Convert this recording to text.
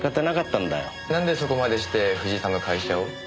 なんでそこまでして藤井さんの会社を？